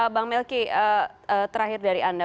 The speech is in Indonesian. bang melki terakhir dari anda